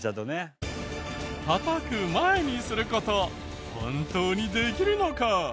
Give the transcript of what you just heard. たたく前にする事本当にできるのか？